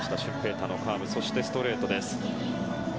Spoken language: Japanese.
大のカーブそしてストレートです。